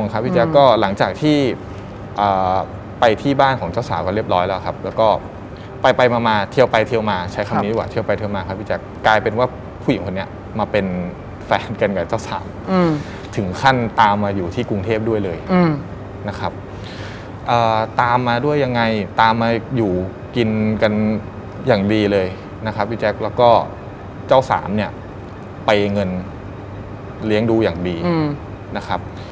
ในช่วง๓๐ปีที่แล้วตอนนั้นพี่วิทย์ประมาณ๘๙ครับ